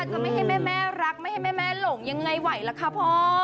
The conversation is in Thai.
จะไม่ให้แม่รักไม่ให้แม่หลงยังไงไหวล่ะคะพ่อ